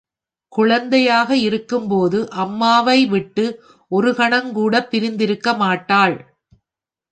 குழந்தையாக இருக்கும்போது அம்மாவை விட்டு ஒருகணங்கூடப் பிரிந்து இருக்க மாட்டாள்.